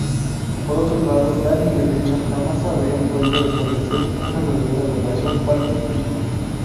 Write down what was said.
Por otro lado, Danny y Richard jamás habrían podido establecer una verdadera relación padre-hijo.